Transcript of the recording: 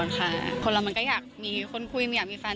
ค่ะคนเรามันก็อยากมีคนคุยมันอยากมีแฟน